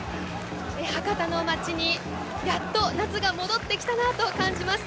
博多の街にやっと夏が戻ってきたなと感じます。